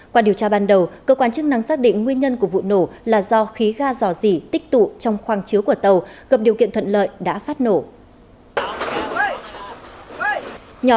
qua điều tra ban đầu cơ quan chức năng xác định nguyên nhân của vụ nổ là do khí ga dò dỉ tích tụ trong khoang chiếu của tàu gặp điều kiện thuận lợi đã phát nổ